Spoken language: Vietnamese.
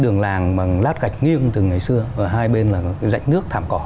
đường làng bằng lát gạch nghiêng từ ngày xưa và hai bên là dạy nước thảm cỏ